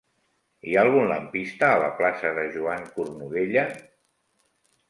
Hi ha algun lampista a la plaça de Joan Cornudella?